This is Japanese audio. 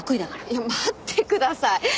いや待ってください。